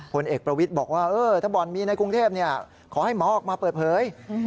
ผลเอกประวิทย์บอกว่าถ้าบ่อนมีในกรุงเทพขอให้หมอออกมาเปิดเผย